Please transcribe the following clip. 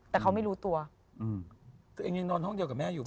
แต่เขาไม่รู้ตัวอืมตัวเองยังนอนห้องเดียวกับแม่อยู่